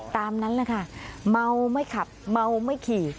ตามนั้นนะคะเมาไม่ขับเมาไม่ขี่